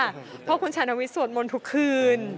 เพราะคุณชานวิทย์สวดมนต์ทุกคืน